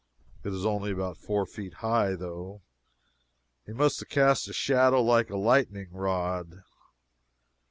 It is only about four feet high, though. He must have cast a shadow like a lightning rod.